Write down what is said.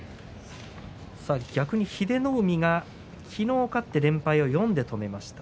逆に英乃海が昨日、勝って連敗を４で止めました。